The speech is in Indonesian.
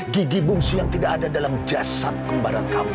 gigi bungsu yang tidak ada dalam jasad kembaran kamu